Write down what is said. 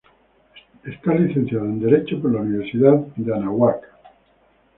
Es licenciada en derecho por la Universidad Anáhuac.